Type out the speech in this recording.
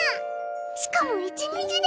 しかも１日で！